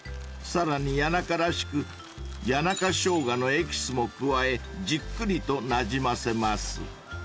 ［さらに谷中らしく谷中ショウガのエキスも加えじっくりとなじませます］